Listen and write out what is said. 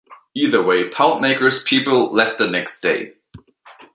Either way, Poundmaker's people left the next day.